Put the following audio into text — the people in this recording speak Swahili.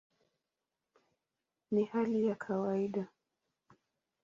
Ni hali ya kawaida".